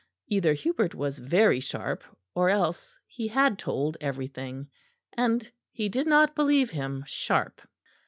Either Hubert was very sharp or else he had told everything; and he did not believe him sharp.